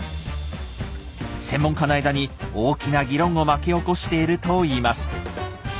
専門家の間に大きな議論を巻き起こしているといいます。